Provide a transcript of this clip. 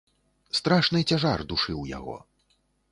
Страшны цяжар душыў яго.